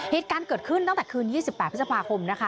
เหตุการณ์เกิดขึ้นตั้งแต่คืน๒๘พฤษภาคมนะคะ